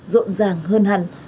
rộn ràng hơn hẳn